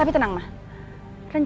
pantes aja kak fanny